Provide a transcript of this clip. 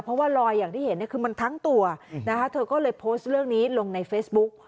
เพราะว่าลอยอย่างที่เห็นคือมันทั้งตัวนะคะเธอก็เลยโพสต์เรื่องนี้ลงในเฟซบุ๊ก